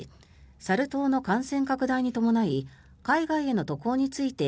サル痘の感染拡大に伴い海外への渡航について